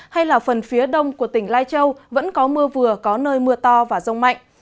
hay là phần phía đông của tỉnh lai châu vẫn có mưa vừa có nơi mưa to và rông mạnh